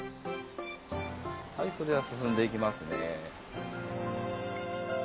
それでは進んでいきますね。